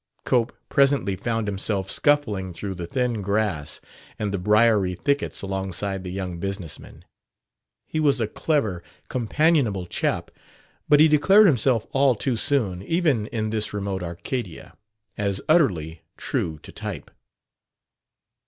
Cope presently found himself scuffling through the thin grass and the briery thickets alongside the young business man. He was a clever, companionable chap, but he declared himself all too soon, even in this remote Arcadia, as utterly true to type.